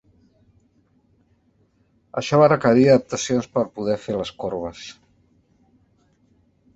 Això va requerir adaptacions per poder fer les corbes.